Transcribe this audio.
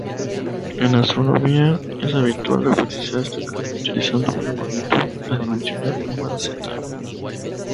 En astronomía, es habitual referirse a este cambio utilizando una magnitud adimensional llamada "z".